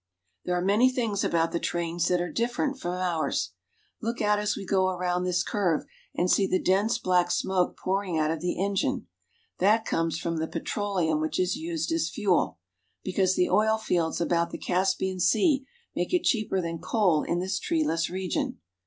There are many things about the trains that are dif ferent from ours. Look out as we go around this curve, and see the dense black smoke pouring out of the engine. That comes from the petroleum which is used as fuel, because the oil fields about the Caspian Sea make it cheaper than coal in this treeless region.